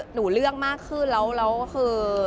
เลือกมากขึ้นแล้วคือ